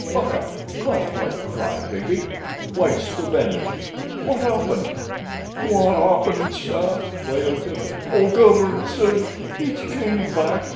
"Buck up! Can't play cry baby. Waste of energy. What happened?" "Wot 'appened, sir!" wailed Tippet. "Oh, Gord, sir! Hit came back.